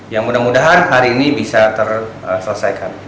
ya mudah mudahan hari ini bisa terselesaikan